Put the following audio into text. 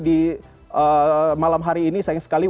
di malam hari ini sayang sekali